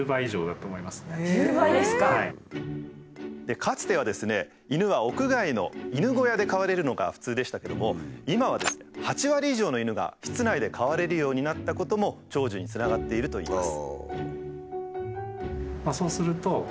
かつてはですね犬は屋外の犬小屋で飼われるのが普通でしたけども今はですね８割以上の犬が室内で飼われるようになったことも長寿につながっているといいます。